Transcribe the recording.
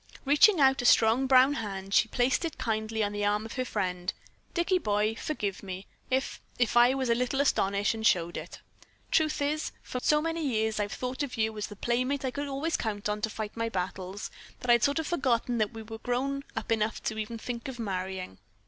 Reaching out a strong brown hand, she placed it kindly on the arm of her friend. "Dicky, boy, forgive me, if if I was a little astonished and showed it. Truth is, for so many years I've thought of you as the playmate I could always count on to fight my battles, that I'd sort of forgotten that we were grown up enough to even think of marrying.